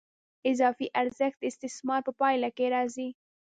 اضافي ارزښت د استثمار په پایله کې راځي